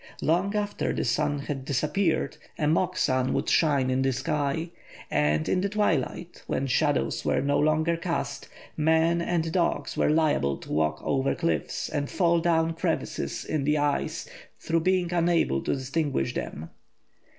Long after the sun had disappeared a mock sun would shine in the sky, and in the twilight, when shadows were no longer cast, men and dogs were liable to walk over cliffs and fall down crevices in the ice through being unable to distinguish them.